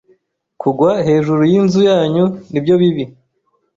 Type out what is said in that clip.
Kugwa hejuru y'inzu yanyu ni byo bibi.